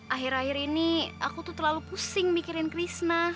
akhir akhir ini aku tuh terlalu pusing mikirin krishna